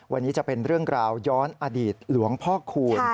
วันนี้จะเป็นเรื่องราวย้อนอดีตหลวงพ่อคูณ